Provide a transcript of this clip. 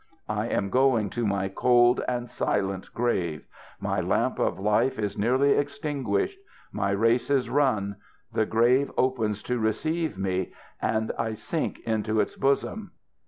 ŌĆö I am going to my cold and silent grave : my lamp of life is nearly extinguished : my race is run : the grave opens to receive me, and I sink into its bosom